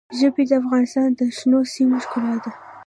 ژبې د افغانستان د شنو سیمو ښکلا ده.